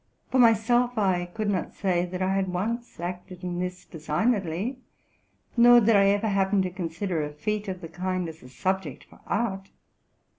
For myself, I could not say that I had once acted in this designedly, nor did I ever happen to consider a feat of the kind as a subject for art.